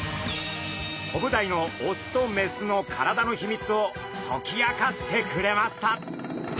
コブダイのオスとメスの体の秘密を解き明かしてくれました。